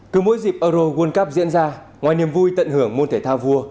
cứ mỗi dịp euro world cup diễn ra ngoài niềm vui tận hưởng môn thể thao vua